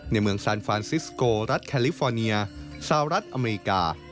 ในเมืองซานฟานซิสโกรัฐแคลิฟอร์เนียสหรัฐอเมริกา